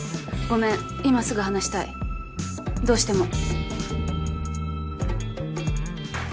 ごめん今すぐ話したいどうしても。